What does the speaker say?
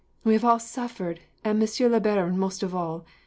We have all suffered, and monsieur le baron most of all.